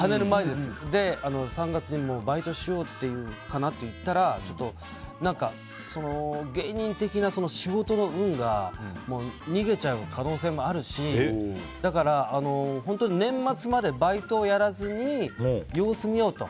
で、３月にバイトしようかなって言ったらちょっと、芸人的な仕事の運が逃げちゃう可能性もあるしだから年末までバイトをやらずに様子を見ようと。